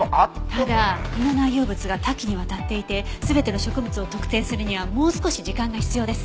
ただ胃の内容物が多岐にわたっていて全ての食物を特定するにはもう少し時間が必要です。